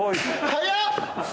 早っ！